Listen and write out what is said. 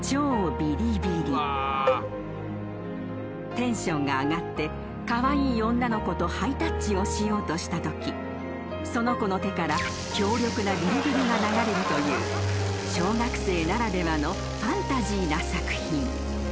［テンションが上がってカワイイ女の子とハイタッチをしようとしたときその子の手から強力なビリビリが流れるという小学生ならではのファンタジーな作品］